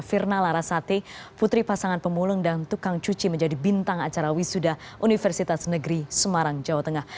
firna larasate putri pasangan pemulung dan tukang cuci menjadi bintang acara wisuda universitas negeri semarang jawa tengah